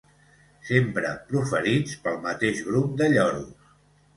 Sempre proferits pel mateix grup de lloros.